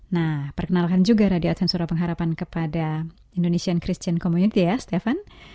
nah perkenalkan juga radio adventure pengharapan kepada indonesian christian community ya stefan